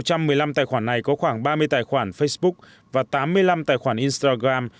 trong một mươi năm tài khoản này có khoảng ba mươi tài khoản facebook và tám mươi năm tài khoản instagram